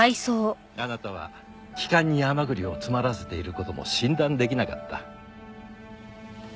あなたは気管に甘栗を詰まらせている事も診断できなかった。